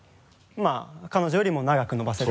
彼女よりも長く伸ばせた。